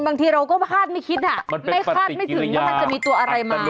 บางทีเราก็คาดไม่คิดอ่ะไม่คาดไม่ถึงว่ามันจะมีตัวอะไรมา